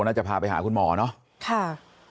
น่าจะพาไปหาคุณหมอเนาะ